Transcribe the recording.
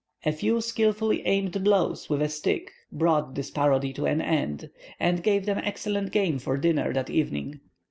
A few skillfully aimed blows with a stick brought this parody to an end, and gave them excellent game for dinner that evening.